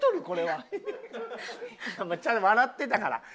これは。笑ってたから。